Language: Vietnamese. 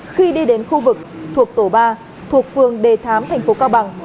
khi đi đến khu vực thuộc tổ ba thuộc phường đề thám thành phố cao bằng